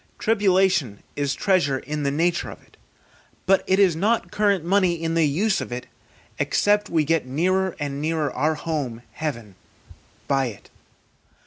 Tribulation is treasure in the nature of it, but it is not current money in the use of it, except we get nearer and nearer our home, heaven, by it.